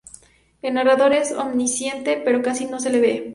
El narrador es omnisciente, pero casi no se le ve.